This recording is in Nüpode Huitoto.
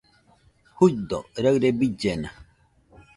Juido, raɨre billena